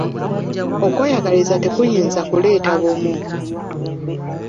Okweyagaliza tekuyinza kuleeta bumu.